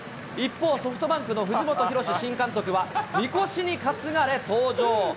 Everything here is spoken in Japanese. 一方、ソフトバンクの藤本博史新監督は、みこしに担がれ登場。